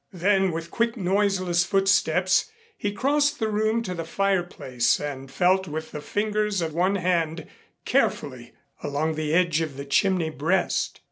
Then, with quick, noiseless footsteps, he crossed the room to the fireplace and felt with the fingers of one hand carefully along the edge of the chimney breast.